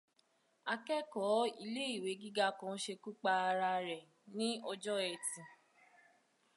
Akẹ́kọ̀ọ́ ilé-ìwé gíga kan ṣekú pa ara rẹ̀ ní ọjọh Ẹtì.